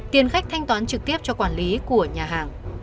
tiền khách thanh toán trực tiếp cho quản lý của nhà hàng